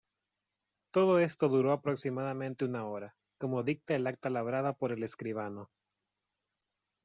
Todo esto duró aproximadamente una hora, como dicta el acta labrada por el escribano.